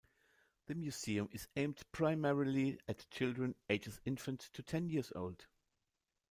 The museum is aimed primarily at children ages infant to ten years old.